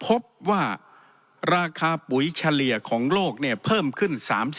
พบว่าราคาปุ๋ยเฉลี่ยของโลกเนี่ยเพิ่มขึ้น๓๐